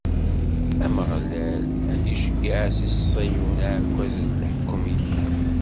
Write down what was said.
Ameɣlal ad d-iceyyeɛ si Ṣiyun aɛekkaz n leḥkem-ik.